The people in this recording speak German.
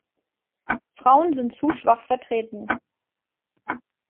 Frauen sind zu schwach vertreten.